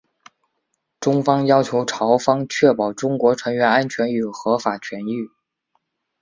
中方要求朝方确保中国船员安全与合法权益。